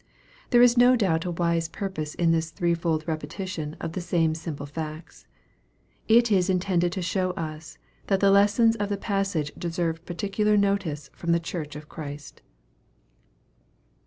There is no doubt a wise purpose in this three fold repetition of the same simple facts. It is in tended to show us that the lessons of the passage deserve particular notice from the Church of Christ.